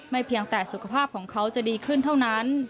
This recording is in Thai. เพียงแต่สุขภาพของเขาจะดีขึ้นเท่านั้น